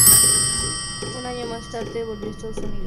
Un año más tarde, volvió a Estados Unidos.